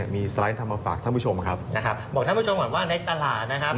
มีสไลด์ทำมาฝากท่านผู้ชมครับนะครับบอกท่านผู้ชมก่อนว่าในตลาดนะครับ